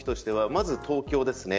まず東京ですね